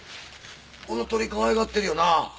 この鳥かわいがってるよな？